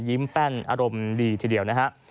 แป้นอารมณ์ดีทีเดียวนะฮะ